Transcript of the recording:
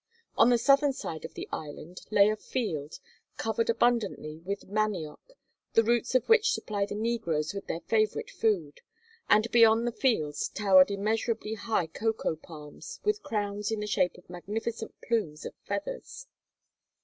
On the southern side of the "island" lay a field, covered abundantly with manioc, the roots of which supply the negroes with their favorite food, and beyond the fields towered immeasurably high cocoa palms with crowns in the shape of magnificent plumes of feathers.